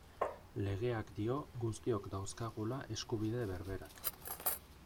Legeak dio guztiok dauzkagula eskubide berberak.